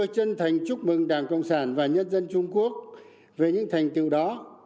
chân thành chúc mừng đảng cộng sản và nhân dân trung quốc về những thành tựu đó